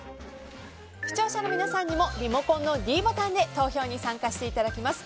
視聴者の皆さんにもリモコンのｄボタンで投票に参加していただきます。